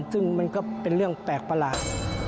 ซึ่งมันก็เป็นเรื่องแปลกประหลาด